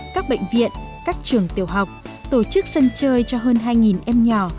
các bệnh viện các trường tiểu học tổ chức sân chơi cho hơn hai em nhỏ